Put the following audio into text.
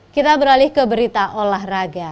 kita beralih ke berita olahraga